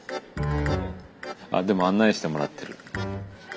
あっでも案内してもらってる。